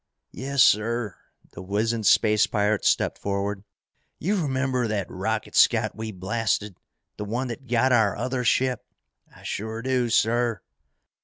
"Yes, sir!" the wizened space pirate stepped forward. "You remember that rocket scout we blasted? The one that got our other ship?" "I sure do, sir."